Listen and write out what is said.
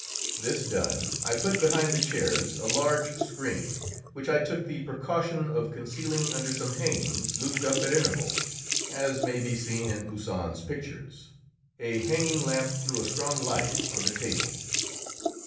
This done, I put behind the chairs a large screen, which I took the precaution of concealing under some hangings looped up at intervals, as may be seen in Poussin's pictures. A hanging lamp threw a strong light on the table.